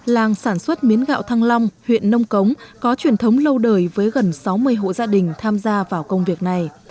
làng sản xuất miến gạo thăng long huyện nông cống có truyền thống lâu đời với gần sáu mươi hộ gia đình tham gia vào công việc này